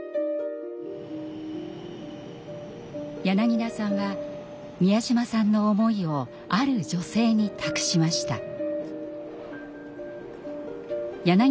柳田さんは美谷島さんの思いをある女性に託しました。